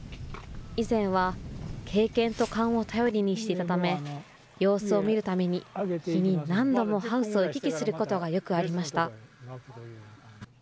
以前は経験と勘を頼りにしていたため、様子を見るために、日に何度もハウスを行き来することがよくありました。